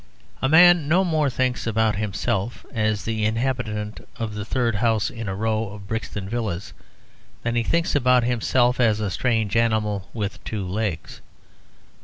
A man no more thinks about himself as the inhabitant of the third house in a row of Brixton villas than he thinks about himself as a strange animal with two legs.